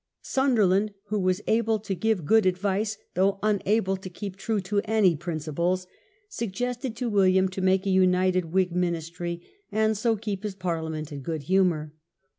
Sunderland, who was able to give good advice, though unable to keep true to any principles, suggested to William to make a united Whig ministry, and so keep his Parliament in good humour.